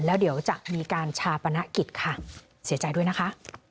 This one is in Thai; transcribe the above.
แล้วเดี๋ยวจะมีการชาปนกิจค่ะเสียใจด้วยนะคะ